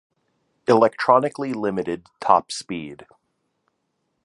Electronically limited top speed.